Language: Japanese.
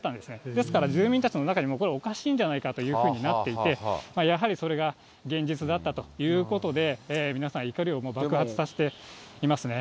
ですから住民たちの中にも、これはおかしいんじゃないかというふうになっていて、やはりそれが現実だったということで、皆さん怒りを爆発させていますね。